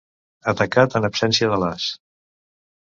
Atacat en absència de l'as.